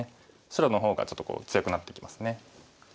白の方がちょっと強くなってきますね。